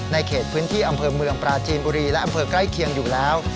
เขตพื้นที่อำเภอเมืองปราจีนบุรีและอำเภอใกล้เคียงอยู่แล้ว